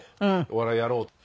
お笑いやろうって。